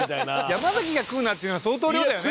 山崎が「食う」なんて言うのは相当量だよね。